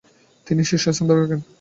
তিনি শীর্ষস্থান ধরে রাখেন।